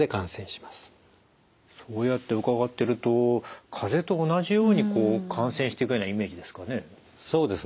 そうやって伺ってるとかぜと同じように感染していくようなイメージですかね。